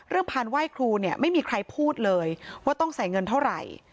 พานไหว้ครูเนี่ยไม่มีใครพูดเลยว่าต้องใส่เงินเท่าไหร่